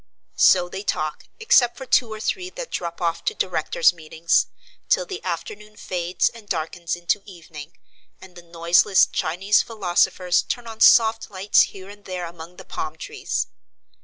So they talk, except for two or three that drop off to directors' meetings; till the afternoon fades and darkens into evening, and the noiseless Chinese philosophers turn on soft lights here and there among the palm trees.